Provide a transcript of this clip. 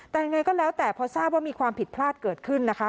แต่ยังไงก็แล้วแต่พอทราบว่ามีความผิดพลาดเกิดขึ้นนะคะ